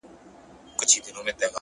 پوهه د انتخابونو کیفیت لوړوي!.